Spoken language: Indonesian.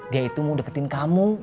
dia itu mau deketin kamu